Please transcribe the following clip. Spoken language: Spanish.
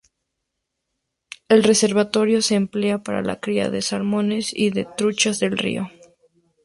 El reservorio se emplea para la cría de salmones y de truchas de río.